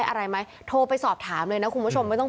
น่ามาโทไปสอบถามเลยนะคู่เพิ่มไม่ต้อง